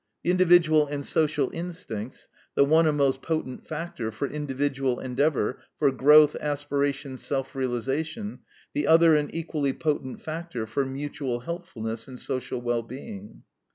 The individual and social instincts, the one a most potent factor for individual endeavor, for growth, aspiration, self realization; the other an equally potent factor for mutual helpfulness and social well being.